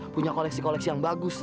punya koleksi koleksi yang bagus